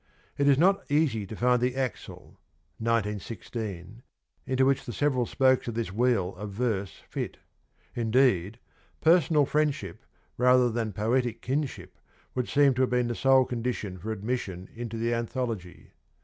It is not easy to find the axle —' 1916' — into which the several spokes of this wheel of verse fit ; indeed, personal friendship rather than poetic kinship would seem to have been the sole condition for admission into the anthology.